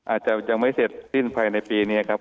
อาจจะยังไม่เสร็จสิ้นภายในปีนี้ครับ